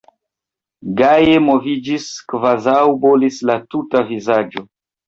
Gaje moviĝis, kvazaŭ bolis la tuta vilaĝo!